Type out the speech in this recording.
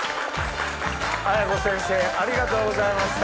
綾子先生ありがとうございました。